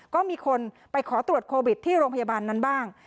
ก็มีคนไปขอตรวจโควิดที่โรงพยาบาลนั้นบ้าง